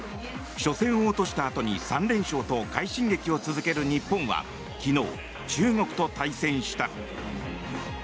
初戦を落としたあとに３連勝と快進撃を続ける日本は昨日、中国と対戦した。